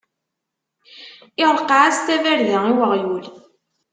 Iṛqeɛ-as tabarda i uɣyul.